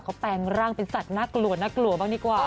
เขาแปลงร่างเป็นสัตว์น่ากลัวน่ากลัวบ้างดีกว่า